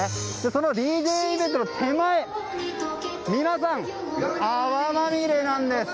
そのＤＪイベントの手前皆さん、泡まみれなんです。